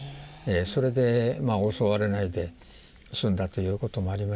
それで襲われないで済んだということもありまして。